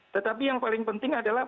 tetapi yang paling penting adalah